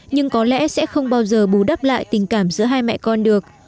nhưng có lẽ sẽ không bao giờ bù đắp lại tình cảm giữa hai mẹ con được